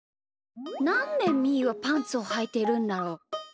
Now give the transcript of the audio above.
なんでみーはパンツをはいてるんだろう？